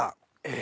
え